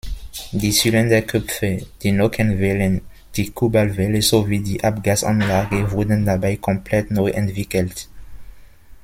Die Zylinderköpfe, die Nockenwellen, die Kurbelwelle sowie die Abgasanlage wurden dabei komplett neu entwickelt.